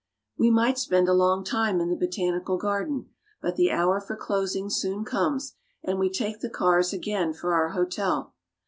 We might spend a long time in the Botanical Garden, but the hour for closing soon comes, and we take the cars again for our hotel.